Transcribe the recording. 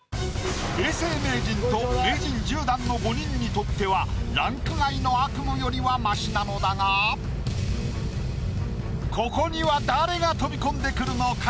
永世名人と名人１０段の５人にとってはランク外の悪夢よりはマシなのだがここには誰が飛び込んでくるのか？